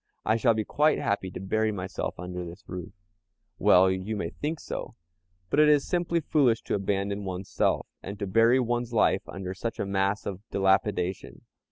I shall be quite happy to bury myself under this roof." "Well, you may think so, but it is simply foolish to abandon one's self, and to bury one's life under such a mass of dilapidation.